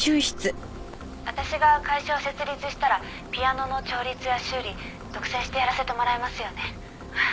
「私が会社を設立したらピアノの調律や修理独占してやらせてもらえますよね？」